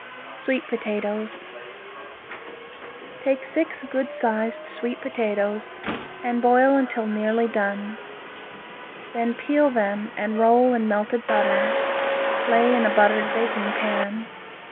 Sweet Potatoes Take six good sized sweet potatoes and boil until nearly done. Then peel them and roll in melted butter, lay in a buttered baking pan.